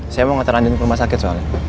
saya mau ngeteranin ke rumah sakit soalnya